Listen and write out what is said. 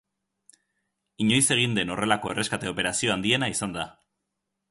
Inoiz egin den horrelako erreskate operazio handiena izan da.